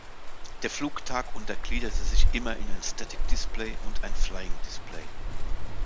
Der Flugtag untergliederte sich immer in ein "Static Display" und ein "Flying Display.